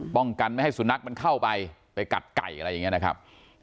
ป้องกันไม่ให้สุนัขมันเข้าไปไปกัดไก่อะไรอย่างนี้นะครับ